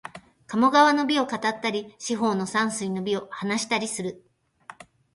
鴨川の美を語ったり、四方の山水の美を話したりする